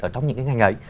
ở trong những ngành ấy